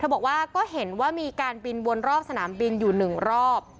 เธอก็บอกว่าก็เห็นว่ามีการบินวนรอบสนามบินอยู่๑รอบ